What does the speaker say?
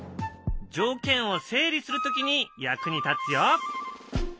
条件を整理する時に役に立つよ。